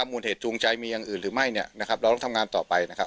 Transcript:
มูลเหตุจูงใจมีอย่างอื่นหรือไม่เนี่ยนะครับเราต้องทำงานต่อไปนะครับ